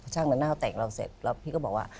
ช่างละเน่าแต่งเราเสร็จแล้วพี่ก็บอกว่า